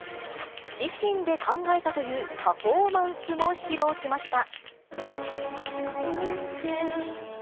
自身で考えたというパフォーマンスも披露しました。